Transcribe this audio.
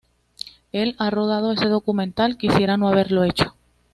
Él ha rodado ese documental: quisiera no haberlo hecho...